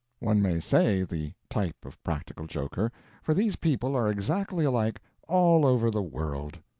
One may say the type of practical joker, for these people are exactly alike all over the world.